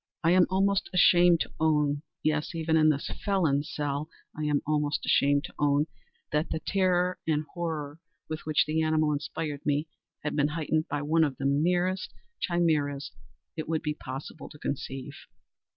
I am almost ashamed to own—yes, even in this felon's cell, I am almost ashamed to own—that the terror and horror with which the animal inspired me, had been heightened by one of the merest chimaeras it would be possible to conceive.